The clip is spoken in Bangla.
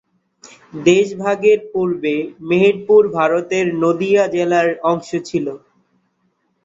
দেশভাগের পূর্বে মেহেরপুর ভারতের নদীয়া জেলার অংশ ছিল।